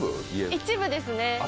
一部ですね。